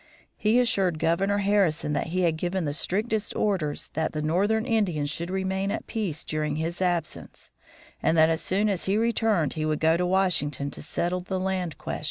He assured Governor Harrison that he had given the strictest orders that the northern Indians should remain at peace during his absence, and that as soon as he returned he would go to Washington to settle the land question.